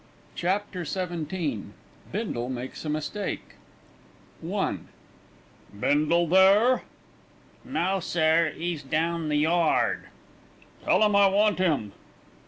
CHAPTER XVII BINDLE MAKES A MISTAKE I "Bindle there?" "No, sir; 'e's down the yard." "Tell him I want him."